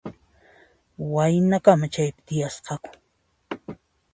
Waynakama chaypi tiyasqaku.